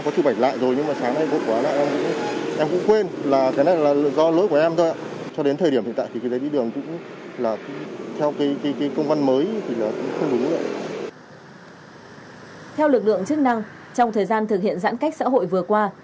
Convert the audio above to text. theo lực lượng chức năng trong thời gian thực hiện giãn cách xã hội vừa qua